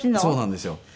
そうなんですよ。